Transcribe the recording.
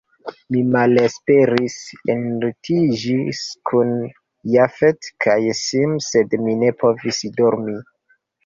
Mi malesperis, enlitiĝis kun Jafet kaj Sim, sed mi ne povis dormi.